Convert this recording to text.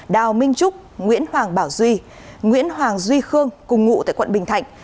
đào minh trúc nguyễn hoàng bảo duy nguyễn hoàng duy khương cùng ngụ tại quận bình thạnh